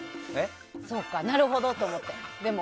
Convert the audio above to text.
そうか、なるほどと思って。